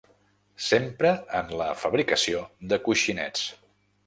S'empra en la fabricació de coixinets.